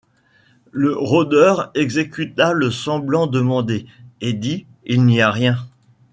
Le rôdeur exécuta le semblant demandé, et dit: — Il n’y a rien.